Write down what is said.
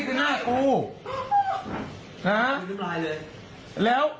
เป็นไงล่ะนี่คือหน้ากู